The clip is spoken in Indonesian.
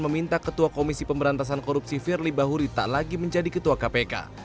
meminta ketua komisi pemberantasan korupsi firly bahuri tak lagi menjadi ketua kpk